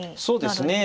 そうですね。